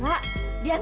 tak ada pasangan